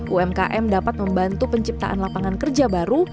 umkm dapat membantu penciptaan lapangan kerja baru